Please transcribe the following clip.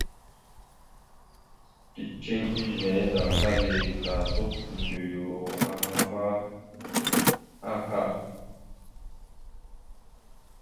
Ticeŋ izəne ya daŋkali ka tondoyoro ahaŋ ava aka.